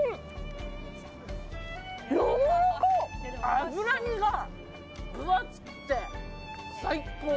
脂身が、分厚くて最高。